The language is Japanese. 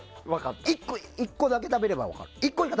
１個だけ食べれば分かる。